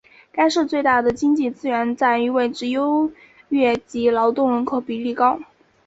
该市最大的经济资源在于位置优越及劳动人口比例高。